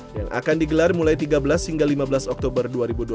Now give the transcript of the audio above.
yang akan digelar mulai tiga belas hingga lima belas oktober dua ribu dua puluh